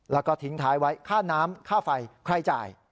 แล้วก็ทิ้งท้ายไว้ค่าน้ำค่าไฟใครจ่าย